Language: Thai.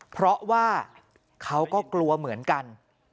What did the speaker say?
เพราะว่าเขาก็กลัวเหมือนกัน